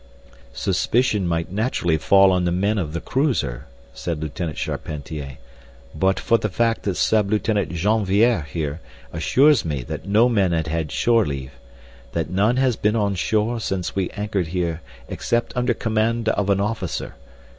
"Suspicion might naturally fall on the men of the cruiser," said Lieutenant Charpentier, "but for the fact that sub lieutenant Janviers here assures me that no men have had shore leave—that none has been on shore since we anchored here except under command of an officer.